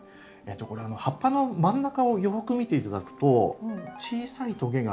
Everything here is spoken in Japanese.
これ葉っぱの真ん中をよく見て頂くと小さいトゲが。